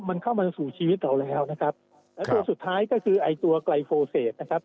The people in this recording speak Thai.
มันเข้ามาสู่ชีวิตเราแล้วนะครับแล้วตัวสุดท้ายก็คือไอ้ตัวไกลโฟเศษนะครับ